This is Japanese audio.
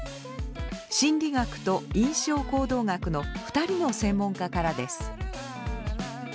心理学と印象行動学の２人の専門家からです。